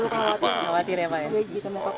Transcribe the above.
tidak usah takut tidak khawatir ya pak